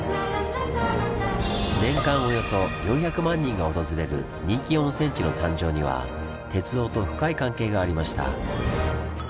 年間およそ４００万人が訪れる人気温泉地の誕生には鉄道と深い関係がありました。